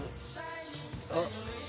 あっ！